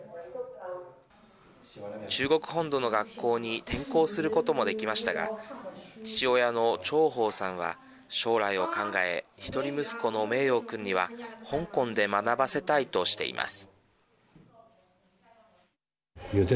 中国本土の学校に転校することもできましたが父親の兆朋さんは、将来を考え１人息子の名洋くんには香港で学ばせたいとしています。